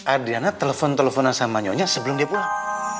adriana telepon teleponan sama nyonya sebelum dia pulang